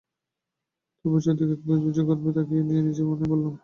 তারপর চারদিকে একবার বিজয়গর্বে তাকিয়ে নিয়ে নিজের মনেই বললাম।